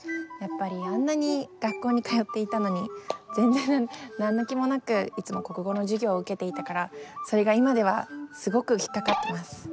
やっぱりあんなに学校に通っていたのに全然何の気もなくいつも国語の授業を受けていたからそれが今ではすごく引っかかってます。